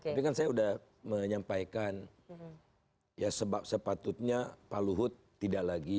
tapi kan saya sudah menyampaikan ya sebab sepatutnya pak luhut tidak lagi